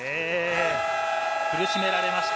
苦しめられました。